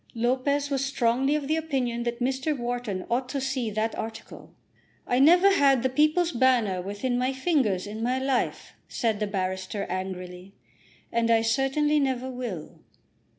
Lopez was strongly of the opinion that Mr. Wharton ought to see that article. "I never had the 'People's Banner' within my fingers in my life," said the barrister angrily, "and I certainly never will."